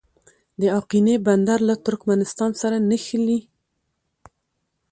د اقینې بندر له ترکمنستان سره نښلي